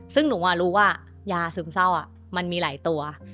ซึ่งหนูรู้ว่ายาซึมเศร้ามันมีหลายตัว